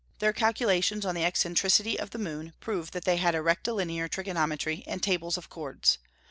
Their calculations on the eccentricity of the moon prove that they had a rectilinear trigonometry and tables of chords.